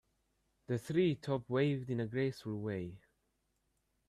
The tree top waved in a graceful way.